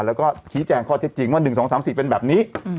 แล้วก็ชี้แจงข้อเท็จจริงว่า๑๒๓๔เป็นแบบนี้